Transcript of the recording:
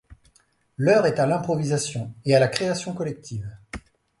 L’heure est à l’improvisation et à la création collective.